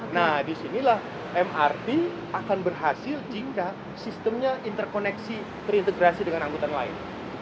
nah disinilah mrt akan berhasil jika sistemnya interkoneksi terintegrasi dengan angkutan lain